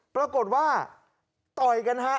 ปรากฏว่าต่อยกันฮะ